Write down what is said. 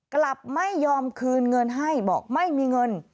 กลับไม่ยอมคืนเงินให้บอกไม่มีเงิน